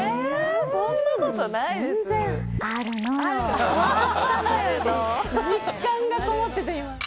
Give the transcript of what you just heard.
そんなことないですよ。